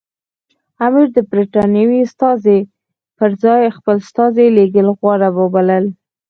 امیر د برټانوي استازي پر ځای خپل استازی لېږل غوره وبلل.